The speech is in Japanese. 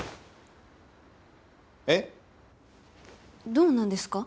えっ？どうなんですか？